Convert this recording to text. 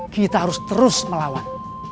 kita harus terus melawan